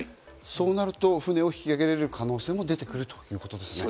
そうすると船を引きあげられる可能性もあるということですね。